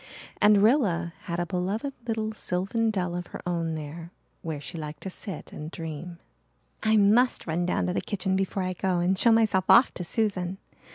And Rilla had a beloved little sylvan dell of her own there where she liked to sit and dream. "I must run down to the kitchen before I go and show myself off to Susan.